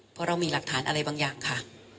เพราะเรามีหลักฐานอะไรบางอย่างค่ะ